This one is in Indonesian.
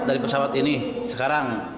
dari pesawat ini sekarang